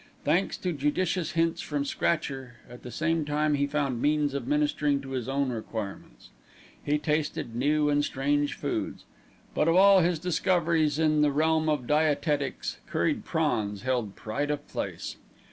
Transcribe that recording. Thanks to judicious hints from Scratcher, at the same time he found means of ministering to his own requirements. He tasted new and strange foods; but of all his discoveries in the realm of dietetics, curried prawns held pride of place.